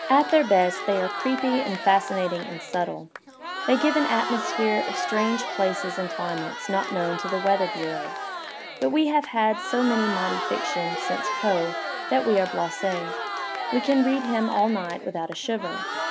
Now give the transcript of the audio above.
At their best they are creepy and fascinating and subtle; they give an atmosphere of strange places and cli mates not known to the weather bureau, but we have had so much mighty fiction since Poe that we are blasSs; we can read him all night without a shiver.